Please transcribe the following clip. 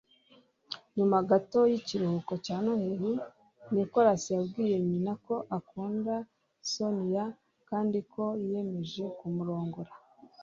Nyuma gato y'ikiruhuko cya Noheri Nicholas yabwiye nyina ko akunda Sonya kandi ko yiyemeje kumurongora.